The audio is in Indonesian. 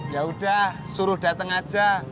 yaudah suruh datang aja